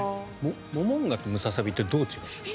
モモンガとムササビってどう違うんですか？